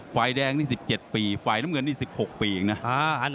ไฟล์แดงนี่๑๗ปีไฟล์น้ำเงินนี่๑๖ปีอีกนะ